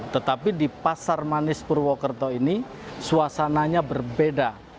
tetapi di pasar manis purwokerto ini suasananya berbeda